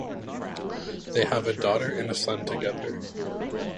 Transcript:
They have a daughter and a son together.